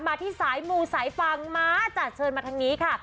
ที่สายมูสายฟังมาจากเชิญมาทางนี้ค่ะ